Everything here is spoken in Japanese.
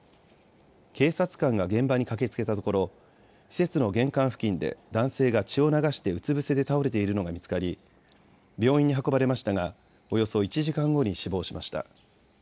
警察官が現場に駆けつけたところ、施設の玄関付近で男性が血を流してうつ伏せで倒れているのが見つかり病院に運ばれましたがおよそ１時間後に死亡しました。